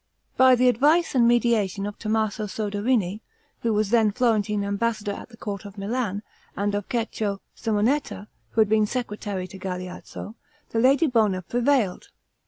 By the advice and mediation of Tommaso Soderini, who was then Florentine ambassador at the court of Milan, and of Cecco Simonetta, who had been secretary to Galeazzo, the lady Bona prevailed.